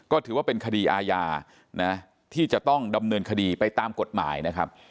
ก็ถือว่าเป็นคดีอาญานะที่จะต้องดำเนินคดีไปตามกฎหมายนะครับ